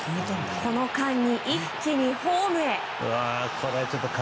この間に一気にホームへ。